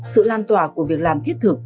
sự lan tỏa của việc làm thiết thực